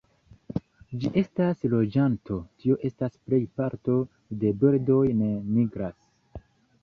Ĝi estas loĝanto, tio estas plej parto de birdoj ne migras.